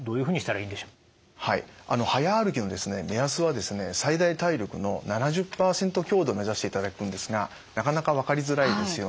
はい早歩きの目安は最大体力の７０％強度目指していただくんですがなかなか分かりづらいですよね。